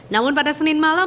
namun pada senin malam